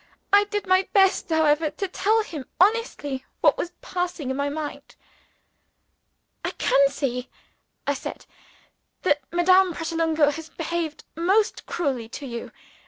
I did my best, however, to tell him honestly what was passing in my mind. "I can see," I said, "that Madame Pratolungo has behaved most cruelly to you.